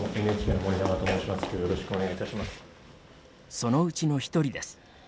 そのうちの１人です。